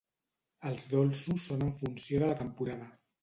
Els dolços són en funció de la temporada.